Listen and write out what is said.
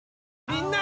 みんな！